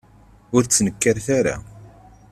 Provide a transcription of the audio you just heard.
Ur ttnekkaret ara.